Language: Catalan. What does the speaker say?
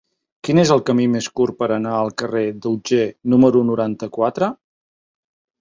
Quin és el camí més curt per anar al carrer d'Otger número noranta-quatre?